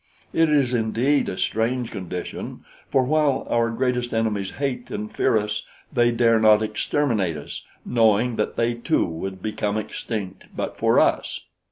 It is indeed a strange condition, for while our greatest enemies hate and fear us, they dare not exterminate us, knowing that they too would become extinct but for us.